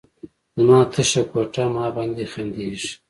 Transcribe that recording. زما تشه کوټه، ما باندې خندیږې